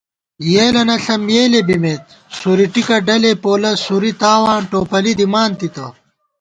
یېلَنہ ݪم یېلےبِمېت، سورِٹکہ ڈلےپولہ سُوری تاواں ٹوپَلی دِمان تِتہ